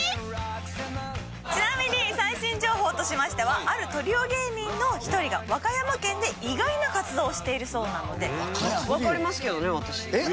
ちなみに最新情報としましてはあるトリオ芸人の１人が和歌山県で意外な活動をしているそうなので。